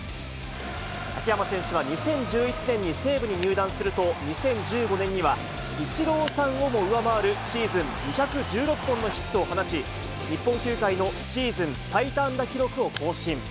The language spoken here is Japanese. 秋山選手は２０１１年に西武に入団すると、２０１５年にはイチローさんをも上回るシーズン２１６本のヒットを放ち、日本球界のシーズン最多安打記録を更新。